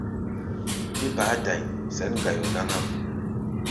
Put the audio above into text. Mí baá da̧i̧ sɛ̌n gayo náŋ-ám.